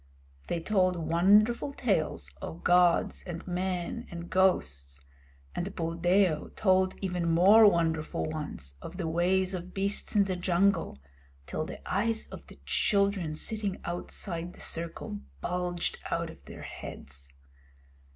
They told wonderful tales of gods and men and ghosts; and Buldeo told even more wonderful ones of the ways of beasts in the jungle, till the eyes of the children sitting outside the circle bulged out of their heads.